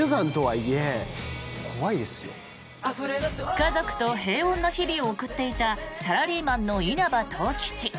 家族と平穏な日々を送っていたサラリーマンの稲葉十吉。